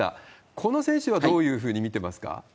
この選手はどういうふうに見てますか？